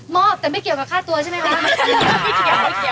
อบแต่ไม่เกี่ยวกับค่าตัวใช่ไหมคะ